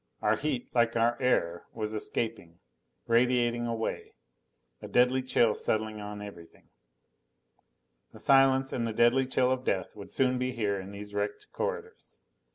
Our heat, like our air, was escaping, radiating away, a deadly chill settling on everything. The silence and the deadly chill of death would soon be here in these wrecked corridors.